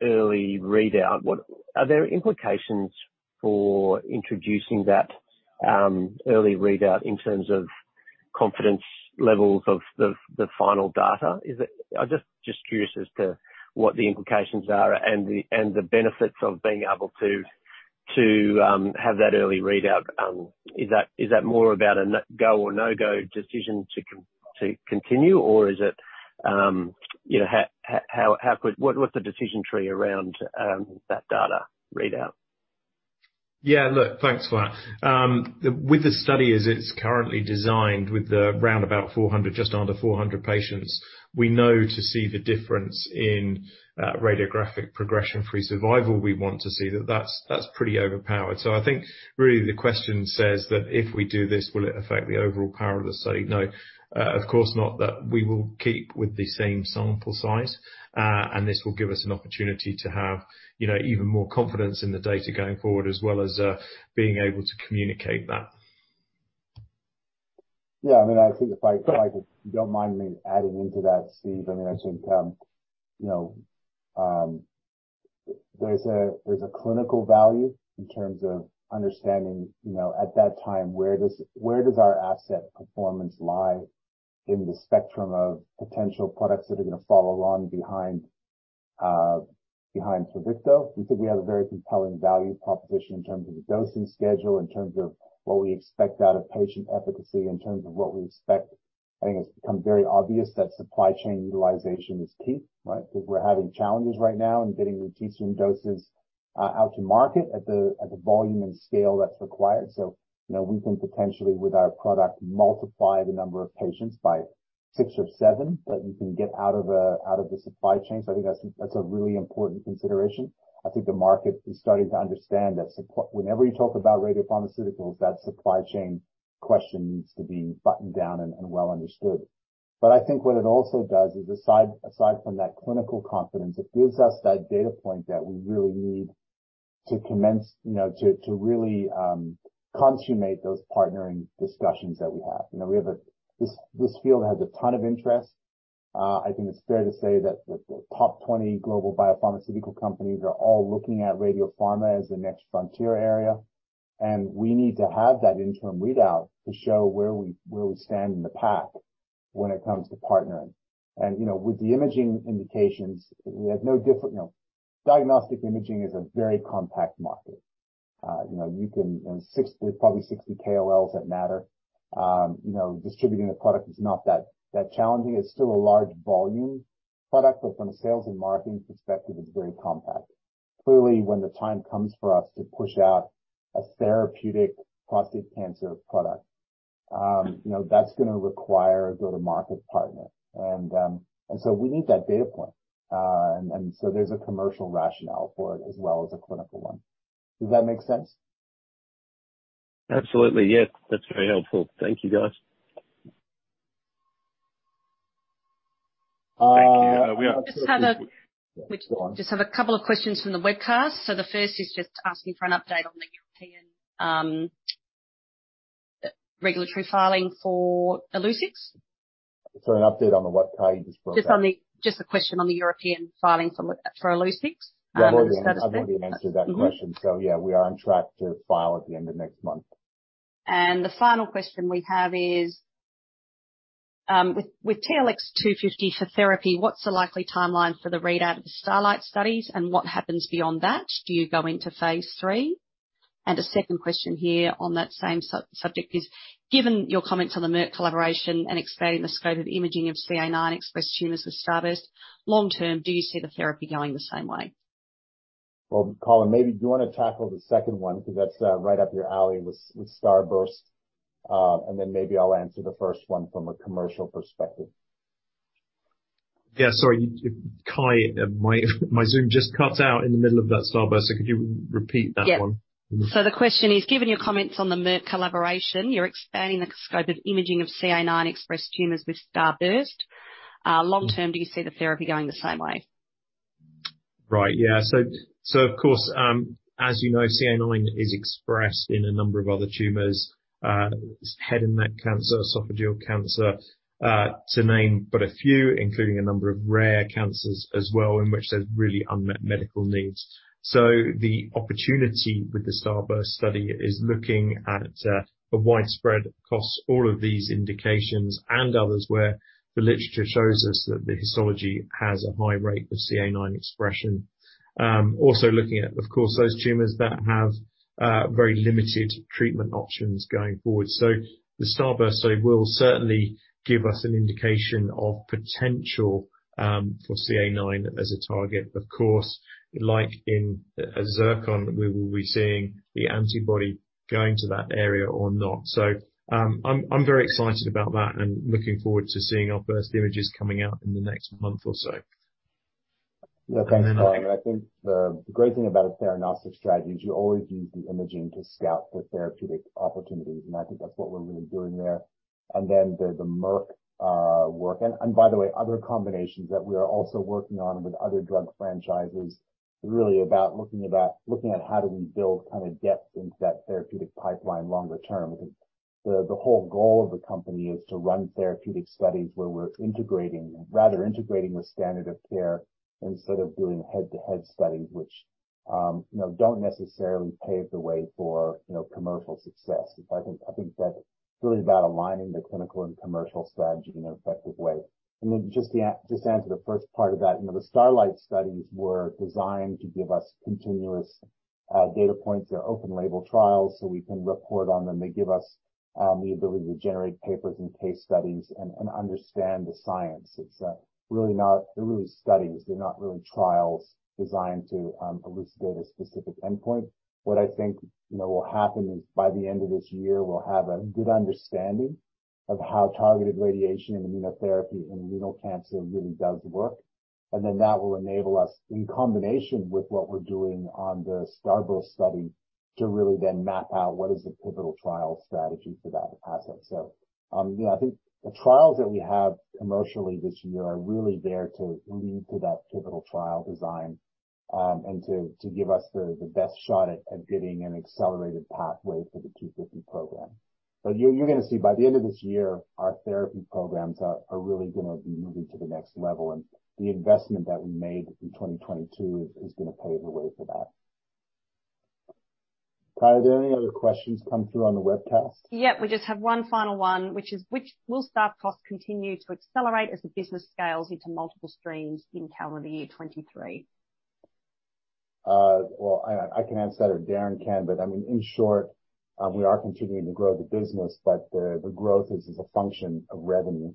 early readout, are there implications for introducing that early readout in terms of confidence levels of the final data? I'm just curious as to what the implications are and the benefits of being able to have that early readout. Is that more about a go or no-go decision to continue? Or is it, you know, what's the decision tree around that data readout? Yeah. Look, thanks for that. With the study as it's currently designed, with the round about 400, just under 400 patients, we know to see the difference in radiographic progression-free survival, we want to see that that's pretty overpowered. I think really the question says that if we do this, will it affect the overall power of the study? No, of course not. We will keep with the same sample size, and this will give us an opportunity to have, you know, even more confidence in the data going forward, as well as being able to communicate that. Yeah. I mean, I think if you don't mind me adding into that, Steve. I mean, I think, you know, there's a clinical value in terms of understanding, you know, at that time, where does our asset performance lie in the spectrum of potential products that are gonna follow on behind ProstACT. We think we have a very compelling value proposition in terms of the dosing schedule, in terms of what we expect out of patient efficacy, in terms of what we expect. I think it's become very obvious that supply chain utilization is key, right? Because we're having challenges right now in getting lutetium doses out to market at the volume and scale that's required. You know, we can potentially, with our product, multiply the number of patients by six or seven that you can get out of the supply chain. I think that's a really important consideration. I think the market is starting to understand that whenever you talk about radiopharmaceuticals, that supply chain question needs to be buttoned down and well understood. I think what it also does is aside from that clinical confidence, it gives us that data point that we really need to commence, you know, to really consummate those partnering discussions that we have. This field has a ton of interest. I think it's fair to say that the top 20 global biopharmaceutical companies are all looking at radiopharma as the next frontier area, we need to have that interim readout to show where we stand in the pack when it comes to partnering. You know, with the imaging indications, we have no different, you know. Diagnostic imaging is a very compact market. There's probably 60 KOLs that matter. You know, distributing a product is not that challenging. It's still a large volume product, but from a sales and marketing perspective, it's very compact. Clearly, when the time comes for us to push out a therapeutic prostate cancer product, you know, that's gonna require a go-to-market partner. We need that data point. There's a commercial rationale for it as well as a clinical one. Does that make sense? Absolutely. Yeah. That's very helpful. Thank you, guys. Thank you. We just have a couple of questions from the webcast. The first is just asking for an update on the European regulatory filing for Illuccix. An update on what, Kyahn? Just a question on the European filing for Illuccix, the status of it. I've already answered that question. Mm-hmm. yeah, we are on track to file at the end of next month. The final question we have is, with TLX250 for therapy, what's the likely timeline for the readout of the STARLITE studies, and what happens beyond that? Do you go into phase III? A second question here on that same sub-subject is, given your comments on the Merck collaboration and expanding the scope of imaging of CAIX expressed tumors with STARBURST, long term, do you see the therapy going the same way? Well, Colin, maybe do you wanna tackle the second one? Because that's right up your alley with STARBURST. Maybe I'll answer the first one from a commercial perspective. Yeah. Sorry, Kyahn, my Zoom just cut out in the middle of that STARBURST. Could you repeat that one? Yeah. Mm-hmm. The question is, given your comments on the Merck collaboration, you're expanding the scope of imaging of CAIX expressed tumors with STARBURST. Long term, do you see the therapy going the same way? Right. Yeah. Of course, as you know, CAIX is expressed in a number of other tumors, head and neck cancer, esophageal cancer, to name but a few, including a number of rare cancers as well, in which there's really unmet medical needs. The opportunity with the STARBURST study is looking at a widespread across all of these indications and others where the literature shows us that the histology has a high rate of CAIX expression. Also looking at, of course, those tumors that have very limited treatment options going forward. The STARBURST study will certainly give us an indication of potential for CAIX as a target. Of course, like in ZIRCON, we will be seeing the antibody going to that area or not. I'm very excited about that and looking forward to seeing our first images coming out in the next month or so. Yeah. Thanks, Colin. I think the great thing about a theranostic strategy is you always use the imaging to scout for therapeutic opportunities, and I think that's what we're really doing there. Then there's the Merck work and by the way, other combinations that we are also working on with other drug franchises. Really about looking at how do we build kind of depth into that therapeutic pipeline longer term, because the whole goal of the company is to run therapeutic studies where Rather integrating the standard of care instead of doing head-to-head studies, which, you know, don't necessarily pave the way for, you know, commercial success. I think that's really about aligning the clinical and commercial strategy in an effective way. Then just to answer the first part of that. You know, the STARLITE studies were designed to give us continuous data points. They're open label trials, so we can report on them. They give us the ability to generate papers and case studies and understand the science. They're really studies. They're not really trials designed to elucidate a specific endpoint. What I think, you know, will happen is, by the end of this year, we'll have a good understanding of how targeted radiation and immunotherapy in renal cancer really does work. That will enable us, in combination with what we're doing on the STARBURST study, to really then map out what is the pivotal trial strategy for that asset. you know, I think the trials that we have commercially this year are really there to lead to that pivotal trial design, and to give us the best shot at getting an accelerated pathway for the TLX250 program. You're gonna see by the end of this year, our therapy programs are really gonna be moving to the next level. The investment that we made in 2022 is gonna pave the way for that. Kyahn are there any other questions come through on the webcast? Yep, we just have one final one, which is, will staff costs continue to accelerate as the business scales into multiple streams in calendar year 2023? Well, I can answer that or Darren can. In short, we are continuing to grow the business, but the growth is a function of revenue.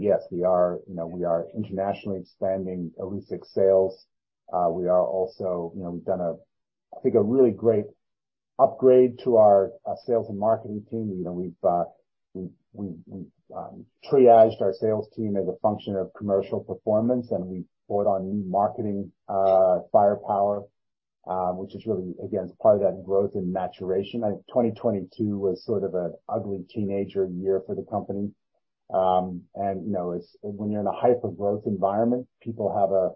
Yes, we are, you know, we are internationally expanding Illuccix sales. We are also. You know, we've done a, I think, a really great upgrade to our sales and marketing team. You know, we've triaged our sales team as a function of commercial performance, and we brought on new marketing firepower, which is really, again, is part of that growth and maturation. I think 2022 was sort of an ugly teenager year for the company. You know, when you're in a hyper-growth environment, people have a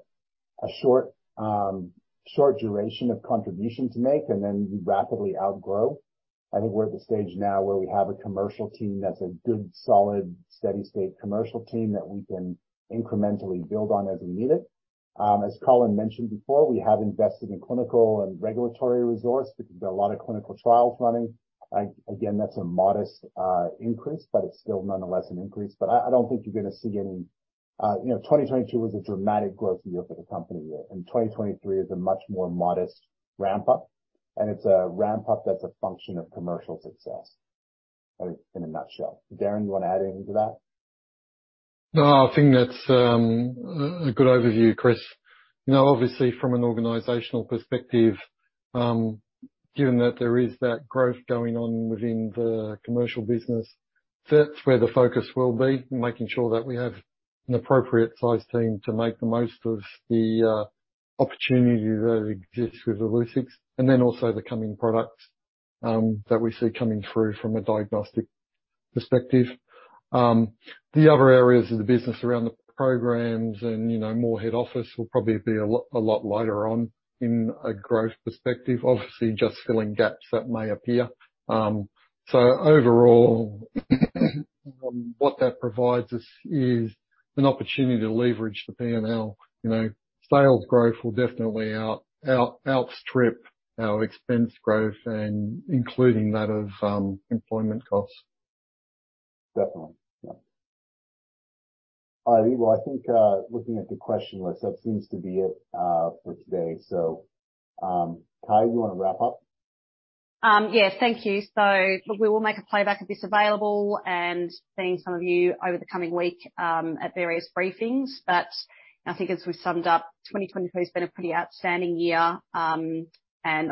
short duration of contribution to make, and then you rapidly outgrow. I think we're at the stage now where we have a commercial team that's a good, solid, steady state commercial team that we can incrementally build on as we need it. As Colin mentioned before, we have invested in clinical and regulatory resource because there are a lot of clinical trials running. Again, that's a modest increase, but it's still nonetheless an increase. I don't think you're gonna see any... you know, 2022 was a dramatic growth year for the company. 2023 is a much more modest ramp-up, and it's a ramp-up that's a function of commercial success, I think in a nutshell. Darren, you wanna add anything to that? No, I think that's a good overview, Chris. Obviously from an organizational perspective, given that there is that growth going on within the commercial business, that's where the focus will be, making sure that we have an appropriate size team to make the most of the opportunity that exists with Illuccix, and then also the coming products that we see coming through from a diagnostic perspective. The other areas of the business around the programs and more head office will probably be a lot later on in a growth perspective. Obviously, just filling gaps that may appear. Overall, what that provides us is an opportunity to leverage the P&L. Sales growth will definitely outstrip our expense growth and including that of employment costs. Definitely. Yeah. All righty. I think, looking at the question list, that seems to be it for today. Kyahn you wanna wrap up? Yeah, thank you. We will make a playback of this available, and seeing some of you over the coming week, at various briefings. I think as we summed up, 2022's been a pretty outstanding year, and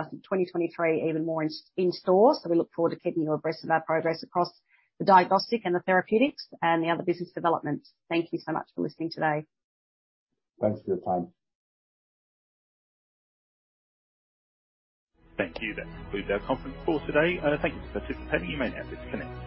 I think 2023 even more in store. We look forward to keeping you abreast of our progress across the diagnostic and the therapeutics and the other business developments. Thank you so much for listening today. Thanks for your time. Thank you. That concludes our conference call today. Thank you for participating. You may now disconnect.